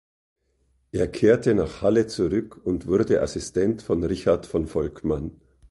Er kehrte nach Halle zurück und wurde Assistent von Richard von Volkmann.